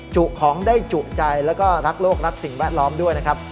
จุของได้จุใจแล้วก็รักโลกรักสิ่งแวดล้อมด้วยนะครับ